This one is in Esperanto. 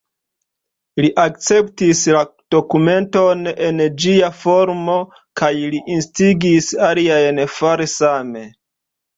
Li akceptis la dokumenton en ĝia formo, kaj li instigis aliajn fari same.